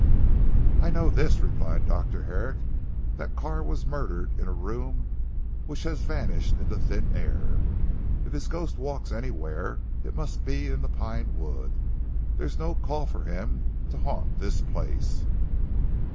"I know this," replied Dr. Herrick, "that Carr was murdered in a room which has vanished into thin air. If his ghost walks anywhere it must be in the Pine wood. There is no call for him to haunt this place."